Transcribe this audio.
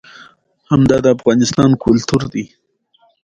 ازادي راډیو د کلتور حالت ته رسېدلي پام کړی.